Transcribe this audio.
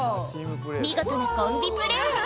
見事なコンビプレー